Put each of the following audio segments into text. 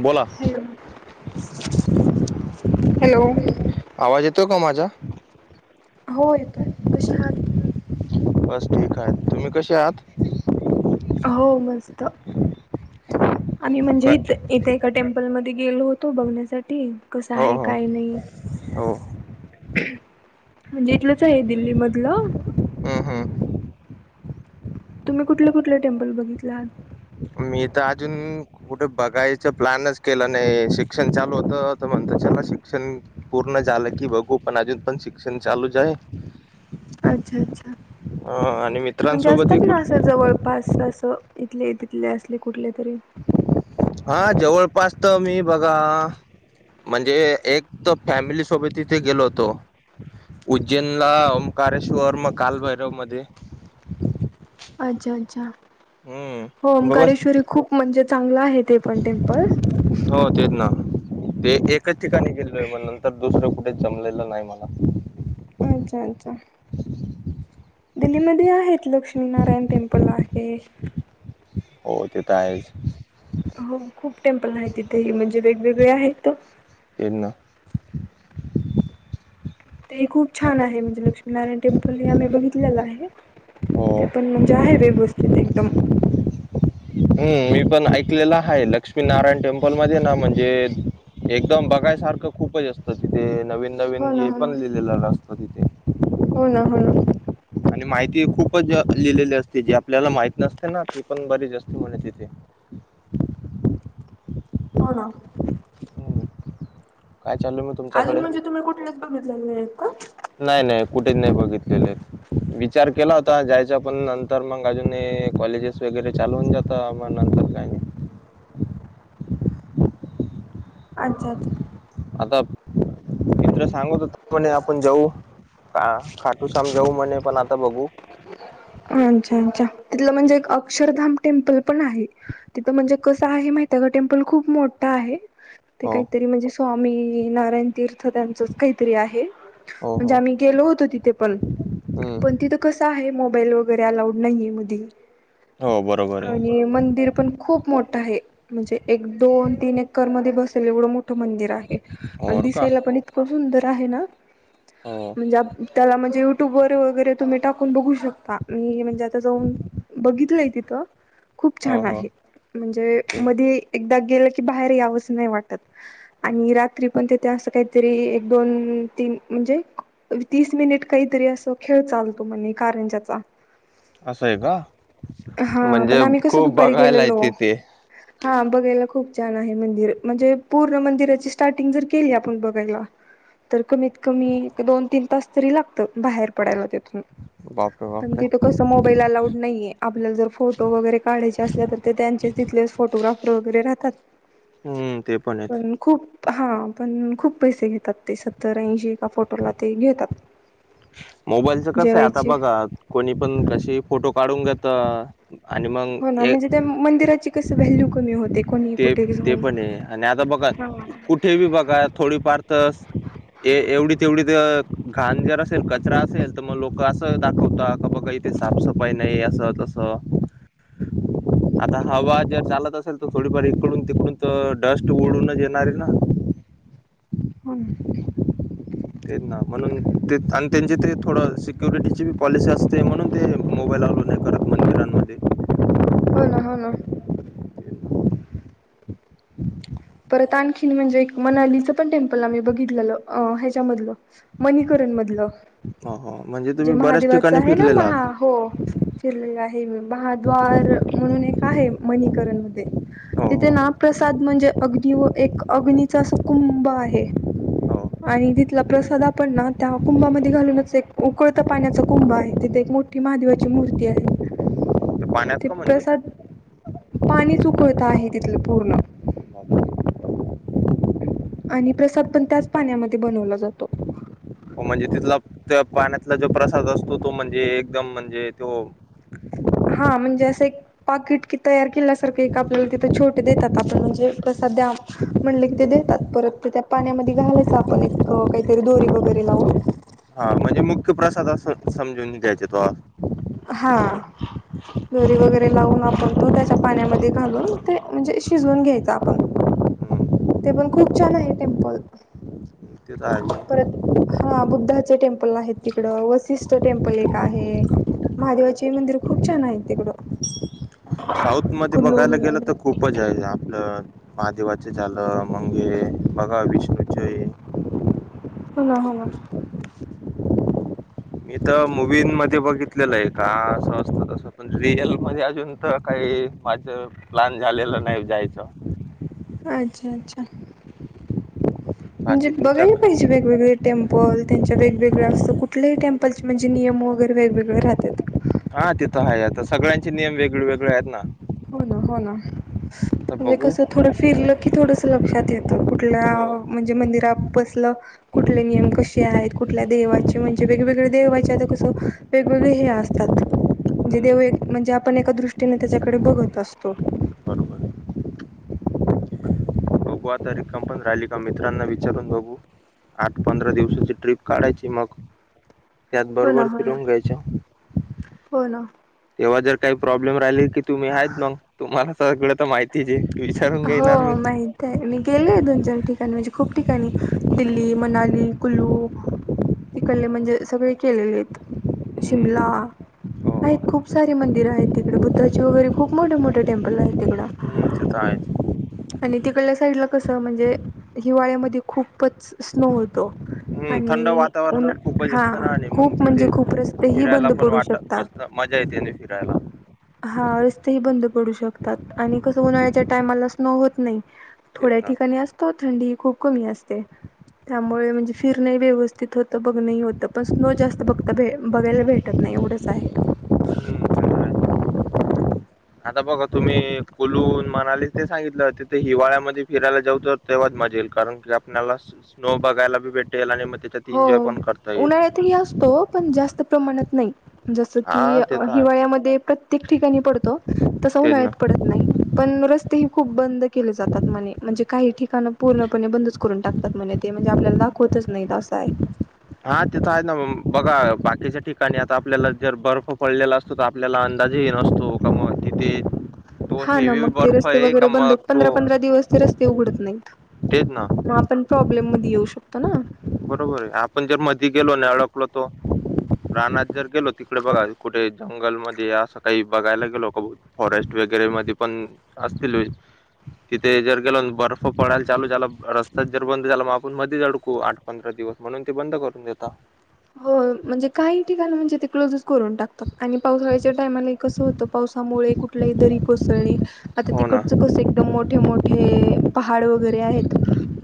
बोला hello hello तो का माझा हो येतोय कसे हात. बस ठीक आहे तुम्ही कसे आहात. हो मस्त आम म्हणजे काय इ इथे ए टेमप मोल मध्ये गेलो होतो बघण्यासाठी.. कस हो आहे हो काही नाही हो म्हणजे.. कलंच आहे दिल्ली मधलं. हम्म हम्म तुम्ही कुठले कुठले टेम्पल बघितलं.. मी तर अजून कुठे बघायच प्लॅनच केलं नाही शिक्षण चालू होतं तर म्हणता शिक्षण पूर्ण झालं की बघू पण अजून पण शिक्षण चालूच आहे. अच्छा! अच्छा! अं, आणि म्हणजे मित्रांसोबतही असतात ना कुठे असं जवळपास तस इतले तितले असल. हा जवळपासत मी बघायला म्हणजे एक तर फॅमिली सोबत तिथे गेलो होतो. उज्जैनला ओंकारेश्वर मग कालभैरव मध्ये. अच्छा! अच्छा! हम्म बघ बस ओंकारेश्वरी खूप म्हणजे चांगला आहे. ते पण टेम्पल हो तेच ना ते एकच ठिकाणी गेलोय मग नंतर दुसरं कुठे जमलेलं नाही मला अच्छा! अच्छा! [inaudible] दिल्लीमध्ये आहेत लक्ष्मीनारायण टेम्पल आहे हो तिथ हो खूप टेम्पल आहे तिथे म्हणजे वेगवेगळे आहेत [unintelligible] ना ते खूप छान आहे म्हणजे लक्ष्मीनारायण टेम्पल हे आम्ही बघितलेलं आहे. [inaudible] हो जा आहे व्यवस्थित एकदम. हम्म मी पण ऐकलेलं आहे लक्ष्मीनारायण टेम्पल मध्ये ना म्हणजे. [inaudible] एकदम बघायसारखं खूपच असतं तिथे नवीन नवीन हो ना हे हो ना. पण लिहिलेलं [unintelligible] सतो तिथे हो ना, हो ना आणि माहिती खूपच लिहिलेली असते. जे आपल्याला माहित नसते ना ते पण बरेच असते. म्हणत होत हो ना काय चालू आहे मग तुमच्याकडे अजून म्हणजे तुम्ही कुठलेच बघितले नाही आहेत का? नाही नाही [inaudible] कुठेच नाही बघितलेले विचार केला होता जायच्या पण नंतर मग अजून [inaudible] कॉलेजेस वगैरे चालवून जात नंतर काही नाही. [inaudible] अच्छा! अच्छा! आता [inaudible] मित्र सांगत हो म्हणे आपण जाऊ का खाटू शम जाऊ मणे पण आता बघू अच्छा अच्छा तिथलं म्हणजे एक अक्षरधाम टेम्पल पण आहे तिथ म्हणजे कसं आहे माहिती ते पण टेम्पल खूप मोठा आहे. ते हो काहीतरी म्हणजे स्वामी नारायण तीर्थ त्यांचच काहीतरी आहे. हो म्हणजे हो आम्ही गेलो होतो. तिथे पण हम्म. पण तिथं कस आहे मोबाईल वग वगैरे अलाउड नाही मधी हो बरोबर आणि मंदिर पण खूप मोठं आहे म्हणजे एक दोन तीन एकर मध्ये बसेल एवढं मो मोठ मंदिर आहे आहे आणि और का दिसायला पण इतकं सुंदर आहे ना. हो म्हणजे त्याला म्हणजे युट्यूब वर वगैरे तुम्ही टाकून बघू शकता. मी म्हणजे आता जाऊन बघितलंय तिथं खूप हो छान हो आहे म्हणजे ते मधी एकदा गेलं की बाहेर यावंचं नाही वाटत आणि हम्म. रात्री पण तिथ ते असं काहीतरी एक दोन तीन म्हणजे तीस मिनिट काहीतरी अस खेळ चालतो. म्हणे कांरणजचा असं आहे का हा पण म्हणजे आम्ही कसं खूप दुपारी बघायला गेलेलो. येते ते हा बघायला खूप छान आहे मंदिर म्हणजे पूर्ण मंदिराची स्टार्टिंग जर केली आपण बघायला, तर कमीत कमी दोन तीन तास तरी लागतात बाहेर पडायला तेथून बापरे पण बापरे तिथं कसं मोबाईल अलाउड नाहीये आपल्याला जर फोटो वगैरे काढायचे असल्या तर ते त्यांचेच तिथलेच फोटो [inaudible] फोटोग्राफर वगैे राहतात ह पण खूप हा पण खूप पैसे घेतात ते सत्तरऐंशी का फोटोला ते घेतात मोबाईलच कसं आहे आता जेवायची बघा कोणी पण कशी फोटो काढून घेत मग हो ना ए म्हणजे त्या मंदिराची कस व्हॅल्यू कमी होत ते ते पण आहे आणि आता बघा हो कुठे बी बघा थोडीफार तर ए एवढीच. तेवढी तर घाण जर असेल कचरा असेल तर मग लोक असं दाखवत का बघा इथे साफसफाई नाही. [unintelligible] [inaudible] आता हवा जर चालत असेल तो. थोडीफार इकडून तिकडून तर डस्ट उडूनच येणार आहे ना. हम. तेच ना म्हणून ते आणि त्यांचे ते थोडं सिक्युरिटीची पॉलिसी असते म्हणून ते मोबाईल अलाव नाही करत मंदिरांमध्ये हो ना हो ना. परत आणखीन म्हणजे मनालीच पण टेमपल आम्ही बघितलेलं ह्याच्यामधल माणिकरणी मधलं. हो हो म्हणजे जे तुम्ही बऱ्याच ठिकाणी फिरलेला आहात. फिरलेला आहे मी महाद्वार म्हणून एक आहे मणीकरण मध्ये हो तिथे हो नाप्रसाद म्हणजे अग्नी व एक अग्नीचा असा कुंभ आहे. हो आणि तिथला प्रसाद आपण ना त्या कुंभामध्ये घालूनच एक उकळत पाण्याचा कुंभ आहे तिथे एक मोठी महादेवाची मूर्ती आहे. पाण्यात ते का प्रसाद पाणी ऊकळत आहे तिथलं पूर्ण. ह. आणि प्रसाद पण त्याच पाण्यामध्ये बनवला जातो. म्हणजे तिथला त्या पाण्यातला जो प्रसाद असतो तो म्हणजे एकदम म्हणजे तो हा म्हणजे असं एक पाकिट कि तयार केल्यासारखं आपल्याला तिथं छोटे देतात आपण म्हणजे प्रसाद द्या म्हणले की ते हं, देतात परत त्या पाण्यामध्ये घालायच आपण एक काहीतरी दोरी वगैरे लावून. हा म्हणजे मुख्य प्रसाद अस समजून घ्यायचे तो. हा. दोरी वगैरे लावून आपण तो त्याच्या पाण्यामध्ये घालून ते म्हणजे शिजवून घ्यायच आपण. हं, ते पण खूप छान आहे टेम्पल. तेच आहे तो परत हा बुद्धाचे टेम्पल. पल आहेत तिकड वसिष्ठ टेम्पल एक आहे. हं. महादेवाची मंदिर खूप छान आहेत तिकडं. साऊथ मध्ये कुल्लू बघायला गेलं म्हणाले तर खूपच आहे आपलं महादेवाचं झालं मगे बघा विष्णूच आहे. हो ना. मी तर मुूवीमध्ये बघितलेलं आहे एका असं असतं तस पण रिअल मध्ये अजून तर काही- हे. अच्छा अच्छा. म्हणजे बाकी तुमच्या बघायला पाहिजे वेगवेगळे टेम्पल त्यांच्या वेगवेगळ्या कुठल्याही टेम्पलचे म्हणजे नियम वगैरे वेगळेवेगळे राहत्यात. हा तिथं आहे आता सगळ्यांचे नियम वेगळे वेगळे आहेत ना. हो ना हो ना तर म्हणजे बघू कस थोडं फिरलं की थोडस लक्षात येत कुठल्या हो म्हणजे मंदिराात बसल कुठले नियम कसे आहेत. कुठल्या देवाचे म्हणजे वेगवेगळे्या देवाचे आ कसं वे वेगवेगळे असतात. हम्म म्हणजे आपण एक दृष्टी त्या इकडे बघत असतो. बरोबर बघू आता एक्झाम पण झालं का मित्रांना विचारून बघू आठ पंधरा दिवसाची ट्रिप काढायची मग. त्यात हो ना बरोबर हो ना. फिरून घ्यायच्य. हो ना तेव्हा जर काही प्रॉब्लेम राहिले की तुम्ही आहेत मग तुम्हाला सगळं तर माहिती च आहे. विचारून हो घेणार मी माहित आहे मी गेलोय दोन चार ठिकाणी म्हणजे खूप ठीक आहे दिल्ली मनाली कुलू तिकडले म्हणजे सगळे केलेले आहेत शिमला हम्म हो हो आहेत खूप सारी मंदिरं आहेत तिकडे बुद्धाची वगैरे खूप मोठे मोठे टेम्पल आहेत तिकडं तिथ आहे आणि तिकडल्या साईडला कस म्हणजे हिवाळ्यामध्ये खूपच स्नो होतो हम्म थंड आणि वातावरण खूपच हा असतं ना आणि मग खूप म्हणजे तिथे खूप रस्ते ही फिरायला बंद पण पडू वाट शकतात. मस्त मजा येते फिरायला. हा रस्तेही बंद पडू शकतात आणि कसं उन्हाळ्याच्या टायमाला स्नो होत नाही. तेच थोड्या ना ठिकाणी असतो थंडी खूप कमी असते त्यामुळे म्हणजे फिरण व्यवस्थित होतं बघ नाही होतं पण स्नो जास्त बघता भ बघायला भेटत नाही. नाही एवढच आहे. हम्म ते तर आहेच. आता बघा तुम्ही कुलून म्हणाले ते सांगितलं तिथे हिवाळ्यामध्ये फिरायला जावत तेव्हा मजा येईल कारण की आपल्याला स्नो बघायला बी भेटेल आणि त्याच्यात हो एन्जॉय पण करता येईल उन्हाळ्यातही असतो पण जास्त प्रमाणात नाही जस की हा ते तर आहे हिवाळ्यामध्ये प्रत्येक ठिकाणी पडतो तसा तेच ना उन्हाळ्यात पडत नाही पण रस्ते खूप बंद केले जातात म्हणे म्हणजे काही ठिकाण पूर्णपणे बंदच करून टाकतात म्ह ते म्हणजे आपल्यालाा होताच नाही अस हा तेथय ना बघा बाकीच्या ठिकाणी आता आपल्याला जर बर्फ पडलेला असतो तर आपल्याला अंदाजही नसतो का म तिथे तो हा ना हेवी मग ते बर्फ रस्ते आहे वगैरे का बंद मग तो पंधरा पंधरा दिवस ते रस्ते उघडत नाहीत. ना आपण प्रॉब्लेम मध्ये येऊ शकतो ना बरोबर आहे आपण जर मधी गेलो अडकलो तो रानात जर गेलो तिकडे बघा कुठे जंगलमध्येध्ये असं काही बघायला गेलो का फॉरेस्ट व वगैरे मधे पण असतील तिथे जर गेल बर्फ पडायला चालू झाला रस्ताच जर बंद झाला मग आपण मध्येच अडकू आ पंधरा दिवस म्हणून ते बंद करून देता हो म्हणजे काही ठिकाण म्हणजे ते क्लोजच करून टाकतात आणि पावसाळ्याच्या टायमाला कसं होतं पावसामुळे कुठल्याही दरी कोसळणे आता हो ना तिकडचं कस, एक मोठे मोठे पहाड वगैरे आहेत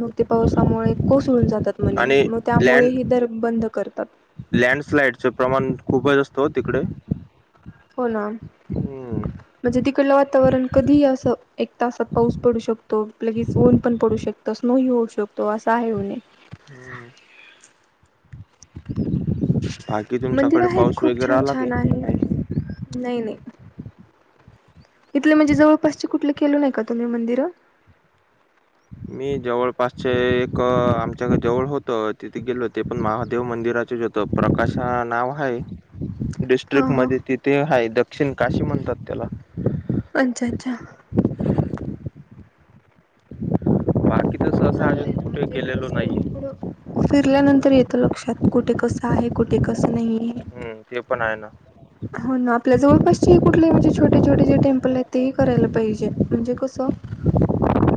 मग ते पाऊस त्यामुळे कोसळून जातात म त्यामुळे दर बं लँडस्लाइडच प्रमाण खूपच असतं तिकडे हो ना हम्म, म्हणजे तिकडलं वातावरण कधीही अस एक तासात पाऊस पडू शकतो लगेच ऊन पण पडू शकतो. तस स्नो ही होऊ शकतो अस आहे म्हणे. हम्म बाकी मंदिर तुमच्याकडे आहेत पाऊस खूप वगैरे छान आला की छान आहे नाही? नाही नाही इथले म्हणजे जवळपासचे कुठले केल नाही का तुम्ही मंदिर? मी जवळपासचे एक आमच्याक जवळ होत तिथे गेलो होते पण महादेव मंदिर रा जोत प्रकाश नाव आहे हा डिस्ट्रिकट हा मध्ये तिथे आहे दक्षिण काशी म्हणतात त्याला अच्छा अच्छा. बाकी? तसं असं चांगलं अजून आहे ना कुठे म्हणजे गेलेलो कस नाहीये पुडं फिरल्यानंतर येतं लक्षात कुठे कसं आहे कुठे कसं नाही आहे. हम्म ते पण आहे ना. हो ना आपल्या जवळपासची कुठली म्हणजे छोटे छोटे जे टेम्प आपला ते हे करायला पाहिजे म्हणजे कसं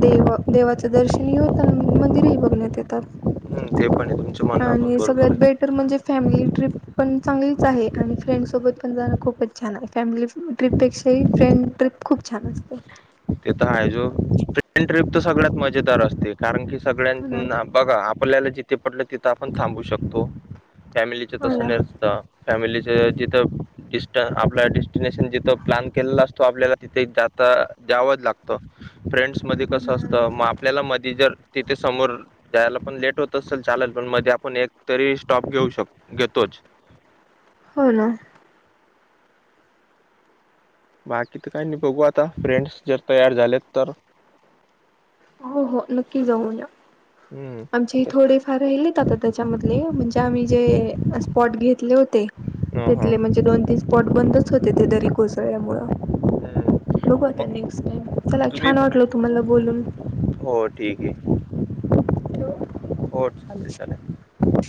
देव देवाचं दर्शनही होत मंदिरही बघण्यात येतात. हम्म ते पण आहे तुमचं म्हणणं पण आणि सगळ्यात बरोबर आहे बेटर म्हणजे फॅमिली ट्रिप पण चांगलीच आहे आणि फ्रेंडसोबत पण जाणं खूपच छान आहे. फॅमिली ट्रिपेक्षाही फ्रेंड ट्रिप खूप छान असते. ते तर आहे जो ती ट्रिप तर सगळ्यात मजेदार असते कारण की, ना सगळ्यांना बघा आपल्याला जिथे पटलं तिथं आपण थांबू शकतो. फॅमिलीच हो तसं ना नॅसत. फॅमिलीच जिथं डिस्ट आपलं डेस्टिनेशन जिथं प्लॅन केलेला असतो आपल्याला तिथे जाता जावंच लागत फ्रेंड्स मध्ये हो कसं ना असतं मग आपल्याला मधी जर तिथे समोर जायला पण लेट होत असेल चालेल, पण मध्ये आपण एक तरी स्टॉप घेऊ शक घेतोच. हो ना बाकी तर काय नाही बघू आता फ्रेंड्स जर तयार झालेत तर हो हो नक्की जाऊ या. हम्म आमचे थोडेफार राहिलेतात त्याच्यामधले म्हणजे आम्ही जे स्पॉट घेत तिथले ह ह होते म्हणजे दोन तीन स्पॉट बंदच होते. ते दरी कोसळल्यामुळ बघु आता मग नेक्स्ट चला तुम्ही छान वाटल तुम्हाला बोलून हो ठीक आहे ठेवू हो चालेल चालेल.